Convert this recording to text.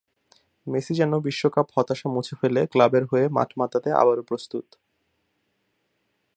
Messi যেন বিশ্বকাপ-হতাশা মুছে ফেলে ক্লাবের হয়ে মাঠ মাতাতে আবারও প্রস্তুত।